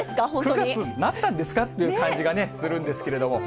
９月になったんですかっていう感じがするんですけれども。